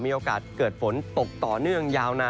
มีโอกาสเกิดฝนตกต่อเนื่องยาวนาน